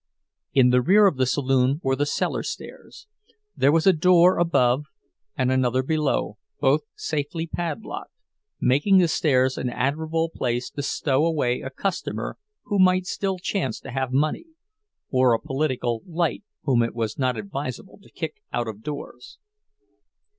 In the rear of the saloon were the cellar stairs. There was a door above and another below, both safely padlocked, making the stairs an admirable place to stow away a customer who might still chance to have money, or a political light whom it was not advisable to kick out of doors.